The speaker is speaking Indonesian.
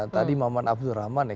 tadi maman abdul rahman ya